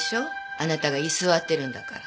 あなたが居座ってるんだから。